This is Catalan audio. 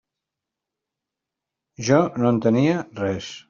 Jo no entenia res.